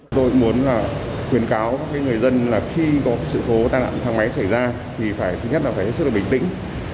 mình khuyến cáo các người dân là khi có sự cố tai nạn thang máy xảy ra thì phải thứ nhất là phải rất là bình tĩnh